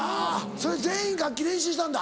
それ全員楽器練習したんだ？